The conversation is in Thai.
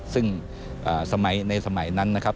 ซึ่งสมัยนั้นนะครับ